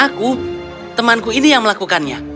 aku temanku ini yang melakukannya